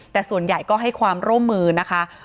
แต่ส่วนใหญ่ก็ให้ความร่วมมือนะคะ